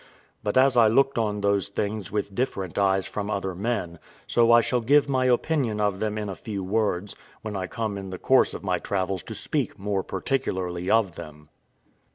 But as I looked on those things with different eyes from other men, so I shall give my opinion of them in a few words, when I come in the course of my travels to speak more particularly of them.